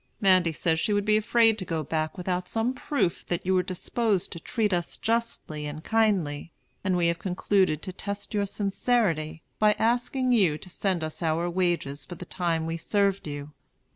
Mandy says she would be afraid to go back without some proof that you were disposed to treat us justly and kindly; and we have concluded to test your sincerity by asking you to send us our wages for the time we served you.